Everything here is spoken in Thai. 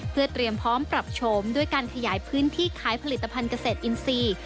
เพื่อเตรียมพร้อมปรับโฉมด้วยการขยายพื้นที่ขายผลิตภัณฑ์เกษตรอินทรีย์